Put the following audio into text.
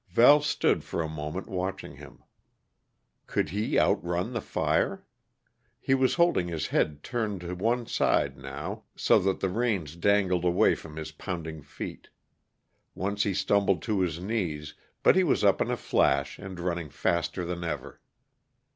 Val stood for a moment watching him. Could he out run the fire? He was holding his head turned to one side now, so that the reins dangled away from his pounding feet; once he stumbled to his knees, but he was up in a flash, and running faster than ever.